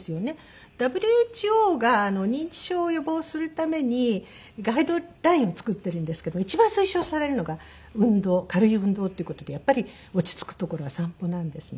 ＷＨＯが認知症を予防するためにガイドラインを作ってるんですけど一番推奨されるのが運動軽い運動っていう事でやっぱり落ち着くところは散歩なんですね。